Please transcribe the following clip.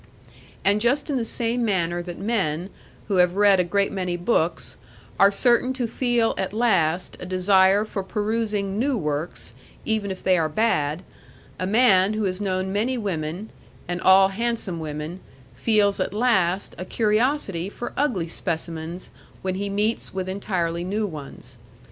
And just in the same manner that men, who have read a great many books, are certain to feel at last a desire for perusing new works even if they are bad, a man who has known many women, and all handsome women, feels at last a curiosity for ugly specimens when he meets with entirely new ones.